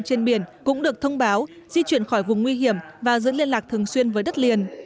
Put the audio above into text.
trên biển cũng được thông báo di chuyển khỏi vùng nguy hiểm và giữ liên lạc thường xuyên với đất liền